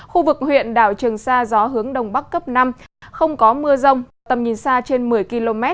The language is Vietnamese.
khu vực huyện đảo trường sa gió hướng đông bắc cấp năm không có mưa rông tầm nhìn xa trên một mươi km